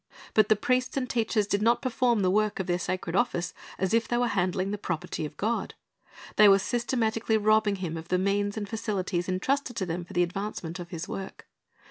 But the priests and teachers did not perform the work of their sacred office as if they were handling the property of God. They were systematically robbing. Him of the means and facilities ijer. 7:4 Til c Lord's Vi n c y ar d 293 entrusted to them for the advancement of His work.